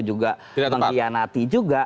juga mengkhianati juga